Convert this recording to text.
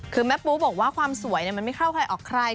คือแม่ปูบอกว่าความสวยมันไม่เข้าใครออกใคร